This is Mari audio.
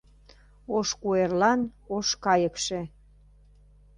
Ош куэрлан ош кайыкше